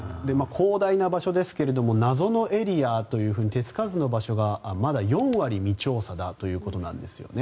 広大な場所ですが謎のエリアということで手つかずの場所が、まだ４割未調査だということなんです。